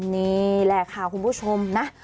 นี่แหละค่ะคุณผู้ชมนะ